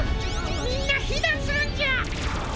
みんなひなんするんじゃ！